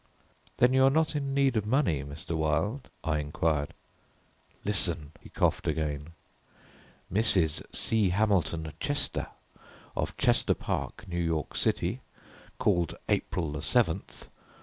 "Then you are not in need of money, Mr. Wilde," I inquired. "Listen," he coughed again. "Mrs. C. Hamilton Chester, of Chester Park, New York City. Called April 7th.